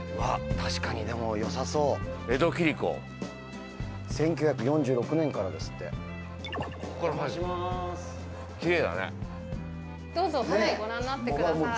確かにでもよさそう江戸切子１９４６年からですってここから入るキレイだねどうぞご覧になってくださいねえ